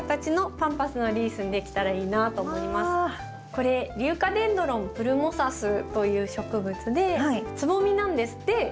これリューカデンドロンプルモサスという植物でつぼみなんです。